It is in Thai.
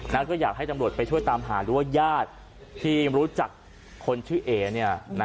แล้วก็อยากให้ตำรวจไปช่วยตามหาดูว่าญาติที่รู้จักคนชื่อเอ๋เนี่ย